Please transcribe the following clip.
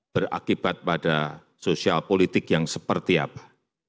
berakibat pada sosial politik yang seperti apa